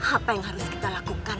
apa yang harus kita lakukan